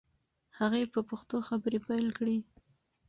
هغې په پښتو خبرې پیل کړې.